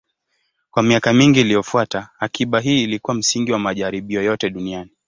Kwa miaka mingi iliyofuata, akiba hii ilikuwa msingi wa majaribio yote duniani.